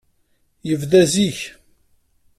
Yebda zik.